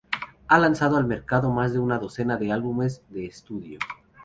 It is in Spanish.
Ha lanzado al mercado más de una docena de álbumes de estudio.